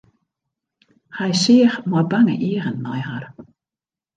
Hy seach mei bange eagen nei har.